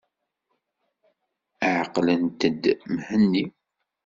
Ɛqlemt-d Mhenni.